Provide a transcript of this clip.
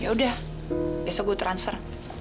ya udah besok gue transfer